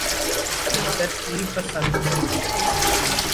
ترتیب پسند ہوں